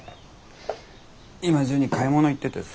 今ジュニ買い物行っててさ。